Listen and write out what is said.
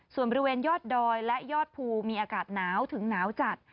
ส่วนบริเวณยอดดอยและยอดภูมีอากาศหนาวถึงหนาวจัด